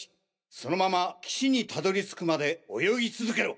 そのまま岸に辿り着くまで泳ぎ続けろ！